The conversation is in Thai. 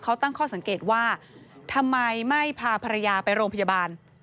เขาตั้งข้อสังเกตว่าทำไมไม่พาภรรยาไปโรงพยาบาล